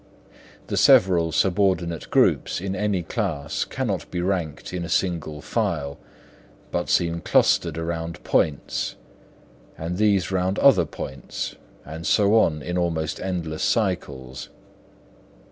The several subordinate groups in any class cannot be ranked in a single file, but seem clustered round points, and these round other points, and so on in almost endless cycles.